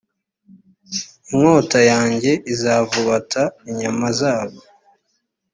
inkota yanjye izavubata inyama zabo.